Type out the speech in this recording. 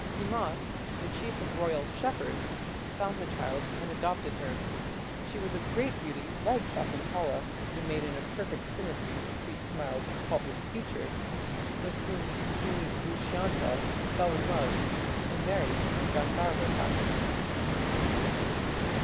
Simmas, the chief of royal shepherds, found the child and adopted her. She was of great beauty like Shakuntala, the maiden of "perfect symmetry", "sweet smiles", and "faultless features", with whom King Dushyanta fell in love and married in Gandharva fashion.